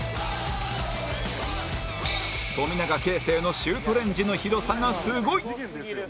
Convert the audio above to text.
富永啓生のシュートレンジの広さがすごい！